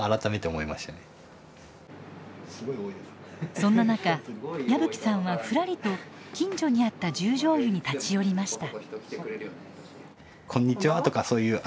そんな中矢吹さんはふらりと近所にあった十條湯に立ち寄りました。